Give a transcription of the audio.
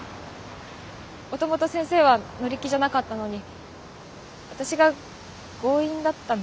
もともと先生は乗り気じゃなかったのに私が強引だったんですよね。